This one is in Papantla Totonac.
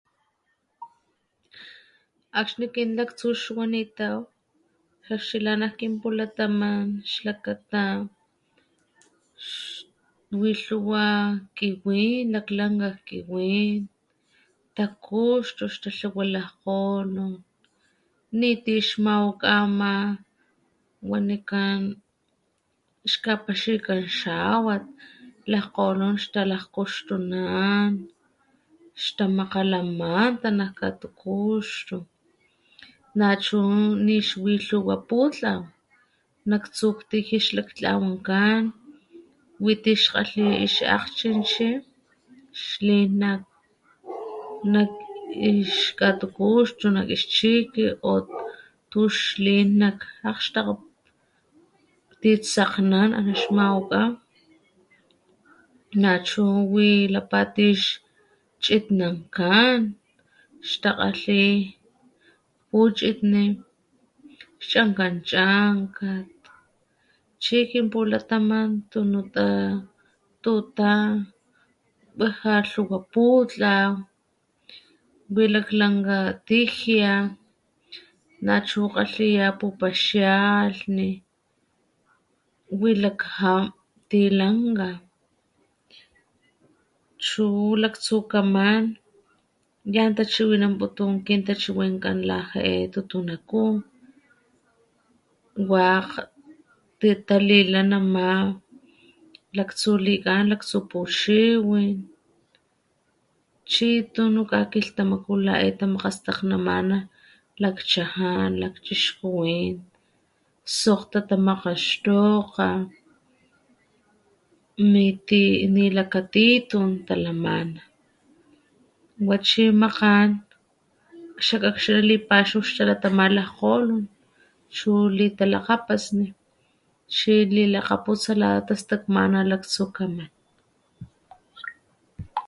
Akxni kin laktsu xwanitaw ix akxila nak kin pulataman xlakata xwi lhuwa kiwin laklanka kiwin , takuxtu xtatlawa lajgkgolon niti ix mawaka ama´ wanikan xkapaxikan xawat lajgkgolon xtalakgkuxtunan xtamakala manta nak katukuxtu nachu nix wi lhuwa putlaw nak tsu ktijia ix laktlawankan witi ix kgalhi ix akgchinchi xlin nak ix katukuxtu nak ix chiki o tu xlin nak akgxtakga ti sakgnan ana xmawakga nachu wilapa ti´ix chitnankan xtakgalhi puchitni xchankan chankat chi kin pulataman tunuta tuta wija lhuwa putlaw wi laklankga tijia nachu kgalhiya pupaxialhni wilakaja tilankga chu laktsukaman yan tachiwinanputun kintachiwinkan la ja´e tutunakú wakg ti talila nama laktsu likan laktsu puchiwin chi tunu kakilhtamaku la'e tamakgastakgnama lakchajan, lakchixkuwin sokg tatamakgaxtokga niti nilakatitun talamana wachi makgan xakakxila lipaxaw xtalatama lajgkgolon chu litalakgapasni chi lilakgaputsa lata tastakmana laktsukaman.